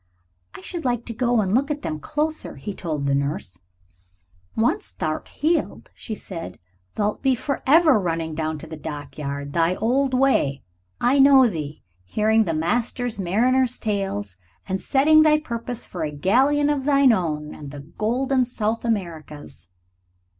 "I should like to go and look at them closer," he told the nurse. "Once thou'rt healed," she said, "thou'lt be forever running down to the dockyard. Thy old way I know thee, hearing the master mariners' tales, and setting thy purpose for a galleon of thine own and the golden South Americas."